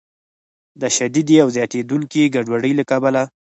د شدیدې او زیاتیدونکې ګډوډۍ له کبله